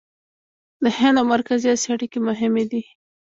د هند او مرکزي اسیا اړیکې مهمې دي.